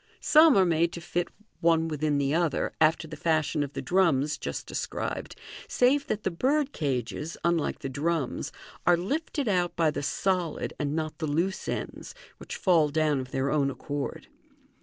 Some are made to fit one within the other, after the fashion of the drums Fig. 146. Fig. 147. just described, save that the birdcages, unlike the drums, are lifted out by the solid and not the loose ends, which fall down of their own accord.